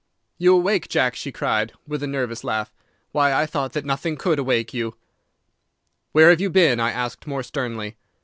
"'You awake, Jack!' she cried, with a nervous laugh. 'Why, I thought that nothing could awake you.' "'Where have you been?' I asked, more sternly.